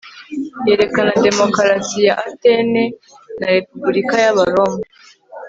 yerekana demokarasi ya atene na repubulika y'abaroma